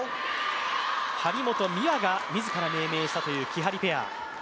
張本美和が自ら命名したという、きはりペア。